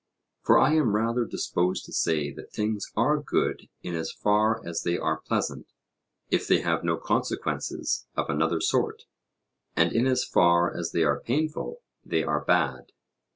for I am rather disposed to say that things are good in as far as they are pleasant, if they have no consequences of another sort, and in as far as they are painful they are bad.